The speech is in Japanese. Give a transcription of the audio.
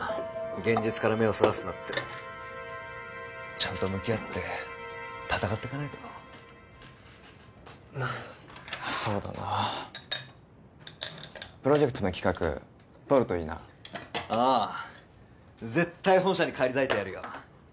現実から目をそらすなってちゃんと向き合って闘ってかないとそうだなプロジェクトの企画通るといいなああ絶対本社に返り咲いてやるよ